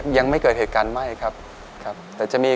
ยังไม่เกิดเหตุการณ์ไหม้ครับครับแต่จะมี